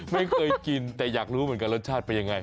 ไม่เคยกินแต่อยากรู้เหมือนกันรสชาติเป็นยังไง